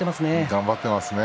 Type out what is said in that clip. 頑張ってますね